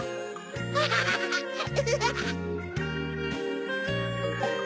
アハハハ！